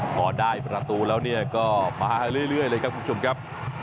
พอได้ประตูแล้วเนี่ยก็มาเรื่อยเลยครับคุณผู้ชมครับ